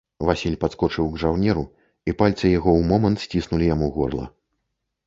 Васіль падскочыў к жаўнеру, і пальцы яго ў момант сціснулі яму горла.